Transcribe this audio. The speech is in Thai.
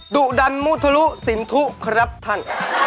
ดุดันมุทะลุสินทุครับท่าน